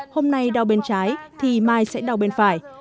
hôm nay đau bên trái thì mai sẽ đau bên phải